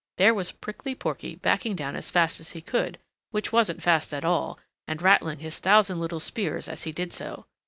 There was Prickly Porky backing down as fast as he could, which wasn't fast at all, and rattling his thousand little spears as he did so.